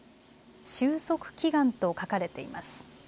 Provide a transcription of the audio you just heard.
終息祈願と書かれています。